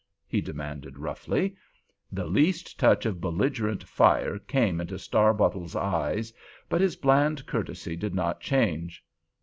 he demanded, roughly. The least touch of belligerent fire came into Starbottle's eye, but his bland courtesy did not change.